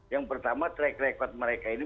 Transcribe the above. yang pertama track record mereka ini